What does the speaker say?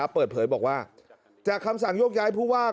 เปิดเผยบอกว่าจากคำสั่งโยกย้ายผู้ว่า